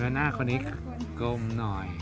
หน้าคนนี้กลมหน่อย